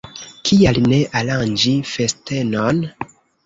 Kial ne aranĝi festenon?